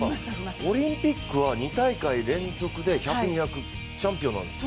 オリンピックは２大会連続で１００、２００チャンピオンなんです。